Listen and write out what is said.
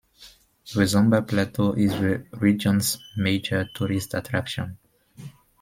The Zomba Plateau is the region's major tourist attraction.